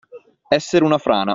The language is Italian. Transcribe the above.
Essere una frana.